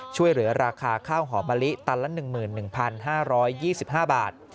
ช่วยเหลือราคาข้าวหอมมะลิตันละ๑๑๕๒๕บาท